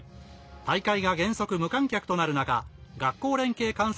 大会が原則、無観客となる中学校連携観戦